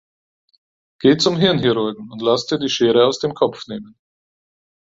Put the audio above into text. Geh zum Hirnchirurgen und lass dir die Schere aus dem Kopf nehmen.